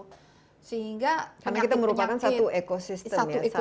karena kita merupakan satu ekosistem ya